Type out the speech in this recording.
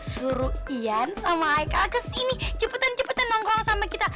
suruh ian sama aika kesini cepetan cepetan nongkrong sama kita